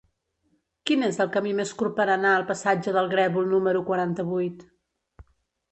Quin és el camí més curt per anar al passatge del Grèvol número quaranta-vuit?